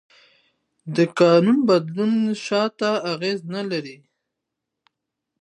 د قانون بدلون شاته اغېز نه لري.